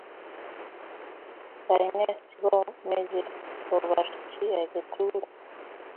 Kaine sigomeche kobar chi age tugul?